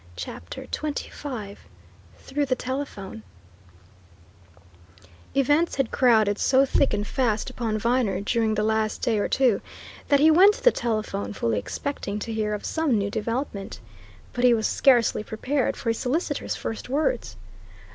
CHAPTER XXV THROUGH THE TELEPHONE Events had crowded so thick and fast upon Viner during the last day or two, that he went to the telephone fully expecting to hear of some new development. But he was scarcely prepared for his solicitor's first words.